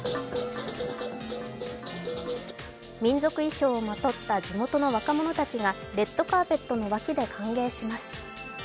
民族衣装をまとった地元の若者たちがレッドカーペットの脇で歓迎します。